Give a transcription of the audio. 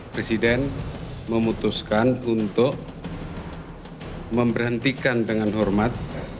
presiden memutuskan untuk memberhentikan dengan hormat